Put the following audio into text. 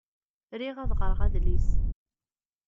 Riɣ ad ɣreɣ adlis.